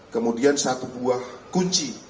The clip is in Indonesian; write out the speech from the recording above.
kemudian satu buah kunci